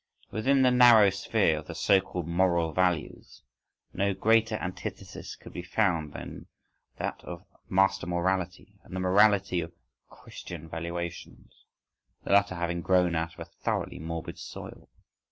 —Within the narrow sphere of the so called moral values, no greater antithesis could be found than that of master morality and the morality of Christian valuations: the latter having grown out of a thoroughly morbid soil.